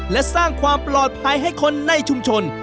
และสร้างความปลอดภัยให้คนในชุมชน